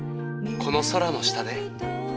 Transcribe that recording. この空の下で。